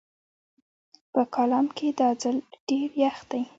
په کالام کې دا ځل ډېر يخ دی